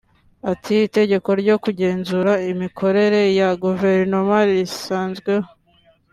Ati “ Itegeko ryo kugenzura inmikorere ya Guverinoma risanzweho